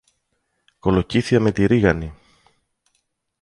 Κολοκύθια με τη ρίγανη!